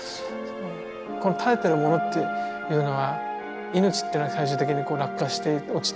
この垂れてるものっていうのは命っていうのは最終的に落下して落ちて。